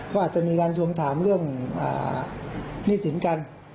ก็อาจจะมีการทวงถามเรื่องหนี้สินกัน